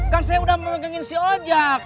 kan saya udah memegangin si objek